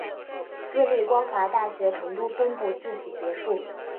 私立光华大学成都分部自此结束。